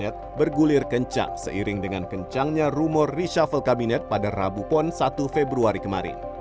pada hari ini pdi perjuangan bergulir kencang seiring dengan kencangnya rumor reshuffle kabinet pada rabu pon satu februari kemarin